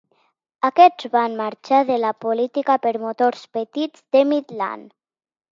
Aquests van marxar de la política per motors petits de Midland.